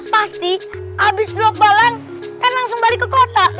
pasti abis blok balang kan langsung balik ke kota